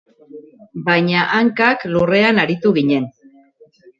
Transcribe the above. Baina hankak lurrean aritu ginen.